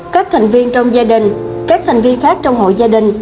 các thành viên trong gia đình các thành viên khác trong hội gia đình